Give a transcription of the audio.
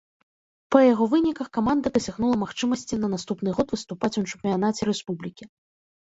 Па яго выніках каманда дасягнула магчымасці на наступны год выступаць у чэмпіянаце рэспублікі.